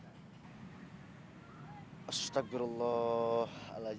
hai astagfirullah alaiz